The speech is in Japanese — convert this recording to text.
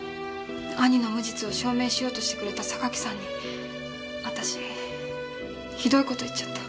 兄の無実を証明しようとしてくれた榊さんに私ひどい事言っちゃった。